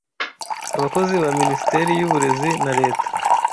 Abakozi ba Minisiteri y'Uburezi na Leta